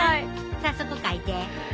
早速描いて！